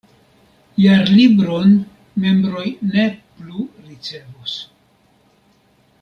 Jarlibron membroj ne plu ricevos.